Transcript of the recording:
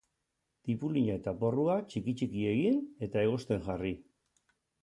Tipulina eta porrua txiki txiki egin eta egosten jarri.